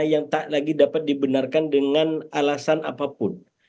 yang tak lagi dapat dibenarkan dengan alasan apapun